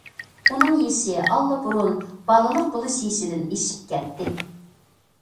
ئۇنىڭ يېشى ئاللىبۇرۇن بالىلىق بولۇش يېشىدىن ئېشىپ كەتتى.